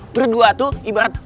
berdua tuh ibaratnya